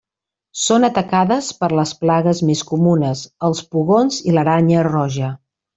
Són atacades per les plagues més comunes, els pugons i l'aranya roja.